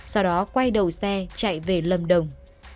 sau đó quay đầu xe chạy về lâm đồng